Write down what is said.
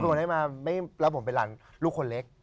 วนให้มาแล้วผมเป็นหลานลูกคนเล็ก